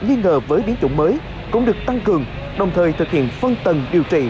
nghi ngờ với biến chủng mới cũng được tăng cường đồng thời thực hiện phân tầng điều trị